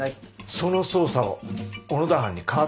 その捜査を小野田班に代わってお願いしたい。